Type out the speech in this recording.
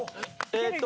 えーっと。